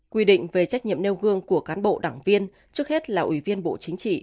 quy định về trách nhiệm nêu gương của cán bộ đảng viên trước hết là ủy viên bộ chính trị